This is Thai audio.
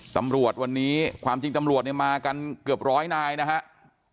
ตำรวจวันนี้ความจริงตำรวจเนี่ยมากันเกือบร้อยนายนะครับ